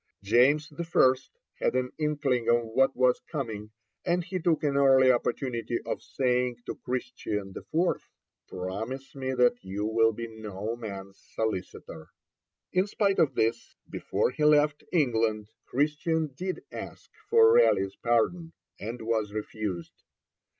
James I. had an inkling of what was coming, and he took an early opportunity of saying to Christian IV., 'Promise me that you will be no man's solicitor.' In spite of this, before he left England, Christian did ask for Raleigh's pardon, and was refused.